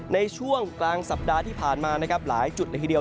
ในช่วงกลางสัปดาห์ที่ผ่านมานะครับหลายจุดละทีเดียว